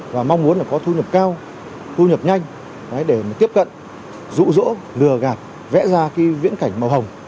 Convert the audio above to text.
và mong muốn có thu nhập cao thu nhập nhanh để tiếp cận rũ rỗ lừa gạt vẽ ra cái viễn cảnh màu hồng